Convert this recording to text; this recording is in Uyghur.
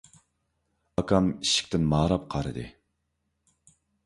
ئاكام ئىشىكتىن ماراپ قارىدى.